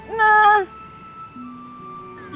tepat dua hari sebelum kita menikah